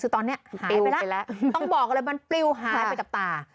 คือตอนนี้หายไปแล้วต้องบอกเลยมันปลิวหายไปกับตา